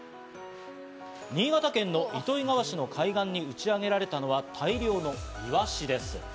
新潟県の糸魚川市の海岸に打ちあげられたのは大量のイワシです。